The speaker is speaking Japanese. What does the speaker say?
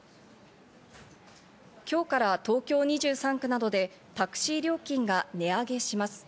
今日から東京２３区などでタクシー料金が値上げします。